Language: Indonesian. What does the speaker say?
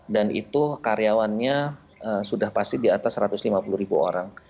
dan itu karyawannya sudah pasti di atas satu ratus lima puluh ribu orang